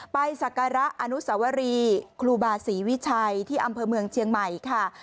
ศักระอนุสวรีครูบาศรีวิชัยที่อำเภอเมืองเชียงใหม่ค่ะ